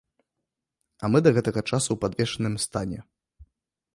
А мы да гэтага часу ў падвешаным стане.